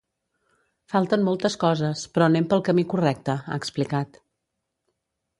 Falten moltes coses, però anem pel camí correcte, ha explicat.